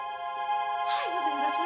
ayo benda semua